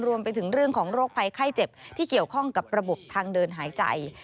รวมถึงเรื่องของโรคภัยไข้เจ็บที่เกี่ยวข้องกับระบบทางเดินหายใจ